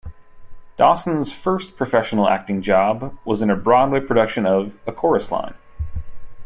Dawson's first professional acting job was in a Broadway production of "A Chorus Line".